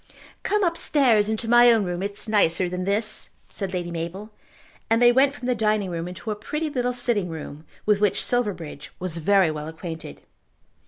"Come upstairs into my own room, it is nicer than this," said Lady Mabel, and they went from the dining room into a pretty little sitting room with which Silverbridge was very well acquainted.